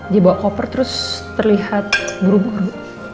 dia bawa koper terus terlihat buru buru